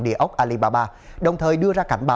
địa ốc alibaba đồng thời đưa ra cảnh báo